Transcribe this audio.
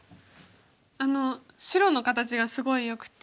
あの白の形がすごいよくて。